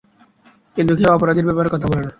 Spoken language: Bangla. কিন্তু কেউ অপরাধীর ব্যাপারে কথা বলে না।